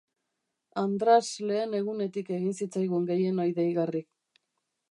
Andras lehen egunetik egin zitzaigun gehienoi deigarri.